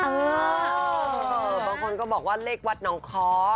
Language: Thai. บางคนก็บอกว่าเลขวัดหนองคอ